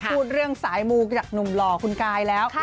พูดเรื่องสายมูจากหนุ่มหล่อคุณกายแล้ว